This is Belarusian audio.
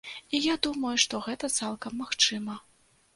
І я думаю, што гэта цалкам магчыма.